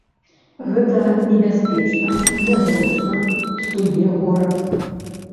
Гэта небяспечна, нязручна, псуе горад.